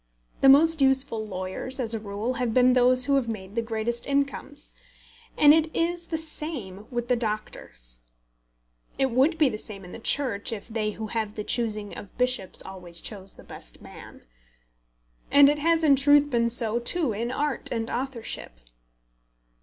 The most useful lawyers, as a rule, have been those who have made the greatest incomes, and it is the same with the doctors. It would be the same in the Church if they who have the choosing of bishops always chose the best man. And it has in truth been so too in art and authorship.